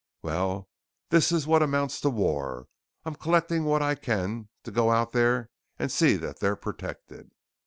"Well, this is what amounts to war. I'm collecting what I can to go out there and see that they're protected!"